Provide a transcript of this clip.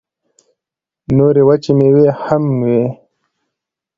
نورې وچې مېوې هم وې.